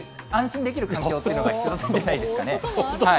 やっぱり安心できる環境というのが必要じゃないですかね。